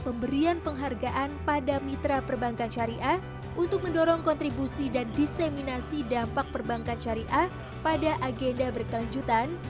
pemberian penghargaan pada mitra perbankan syariah untuk mendorong kontribusi dan diseminasi dampak perbankan syariah pada agenda berkelanjutan